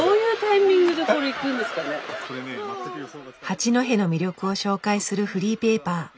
八戸の魅力を紹介するフリーペーパー。